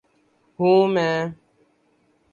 ہوں میں